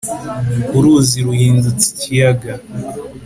uruzi ruhindutse icyiyaga